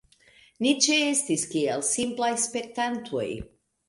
Ni ĉeestis kiel simplaj spektantoj.